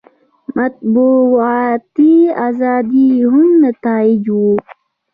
مطبوعاتي ازادي یې هغه نتایج وو.